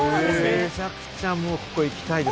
めちゃくちゃ行きたいです！